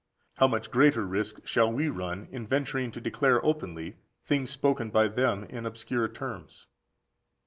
how much greater risk shall we run in venturing to declare openly things spoken by them in obscure terms!